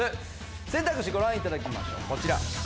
選択肢ご覧いただきましょう。